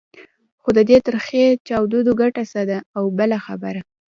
خو د دې تریخې چاودو ګټه څه ده؟ او بله خبره.